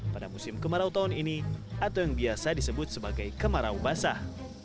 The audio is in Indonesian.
pada musim kemarau tahun ini atau yang biasa disebut sebagai kemarau basah